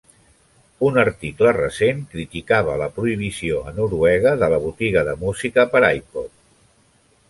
Un article recent criticava la prohibició a Noruega de la botiga de música per a iPod.